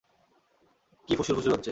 কি ফুসুর ফুসুর হচ্ছে?